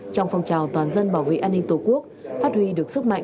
trong phong trào toàn dân bảo vệ an ninh tổ quốc phát huy được sức mạnh